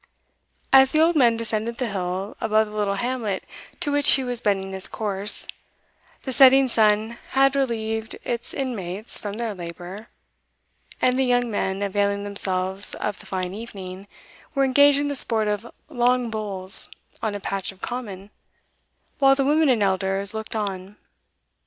As the old man descended the hill above the little hamlet to which he was bending his course, the setting sun had relieved its inmates from their labour, and the young men, availing themselves of the fine evening, were engaged in the sport of long bowls on a patch of common, while the women and elders looked on.